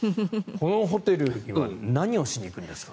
このホテルには何をしに行くんですか？